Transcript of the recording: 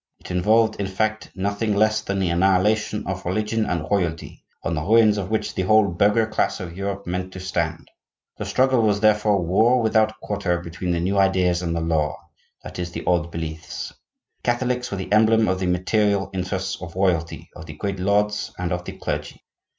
It involved, in fact, nothing less than the annihilation of religion and royalty, on the ruins of which the whole burgher class of Europe meant to stand. The struggle was therefore war without quarter between the new ideas and the law,—that is, the old beliefs. The Catholics were the emblem of the material interests of royalty, of the great lords, and of the clergy.